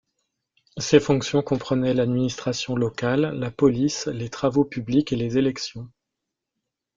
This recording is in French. Ses fonctions comprenaient l'administration locale, la police, les travaux publics et les élections.